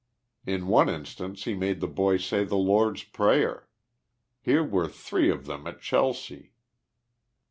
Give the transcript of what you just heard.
In one in stance lie made the boy say ' the Lord's Prayer.' Here were three of them at Chelsea.